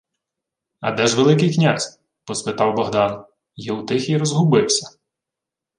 — А де ж Великий князь? — поспитав Богдан. Єутихій розгубився.